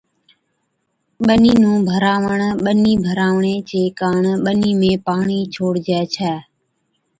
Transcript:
ٻنِي نُون ڀراوَڻ، ٻنِي ڀراوَڻي چي ڪاڻ ٻنِي ۾ پاڻِي ڇوڙجَي ڇَي۔